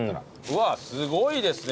うわっすごいですね